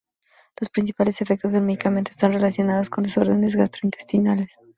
Los principales efectos del medicamento están relacionados con desórdenes gastrointestinales.